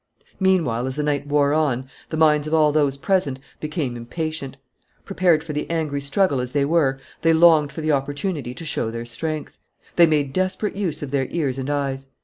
Meanwhile, as the night wore on, the minds of all those present became impatient. Prepared for the angry struggle as they were, they longed for the opportunity to show their strength. They made desperate use of their ears and eyes.